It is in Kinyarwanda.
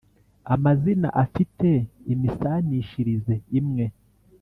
amazina afite imisanishirize imwe